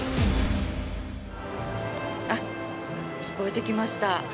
聞こえてきました。